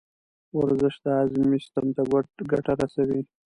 ورزش د هاضمې سیستم ته ګټه رسوي.